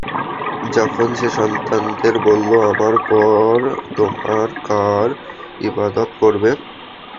যখন সে সন্তানদের বললঃ আমার পর তোমরা কার ইবাদত করবে?